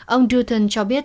ông dutton cho biết